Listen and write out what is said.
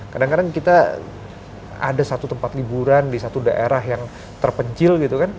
kadang kadang kita ada satu tempat liburan di satu daerah yang terpencil gitu kan